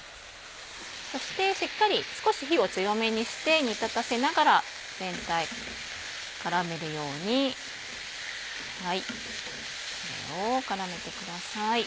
そしてしっかり少し火を強めにして煮立たせながら全体絡めるようにタレを絡めてください。